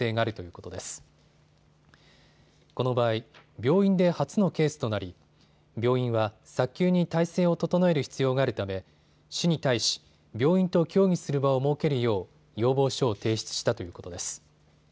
この場合、病院で初のケースとなり病院は早急に体制を整える必要があるため市に対し、病院と協議する場を設けるよう要望書を提出したということです。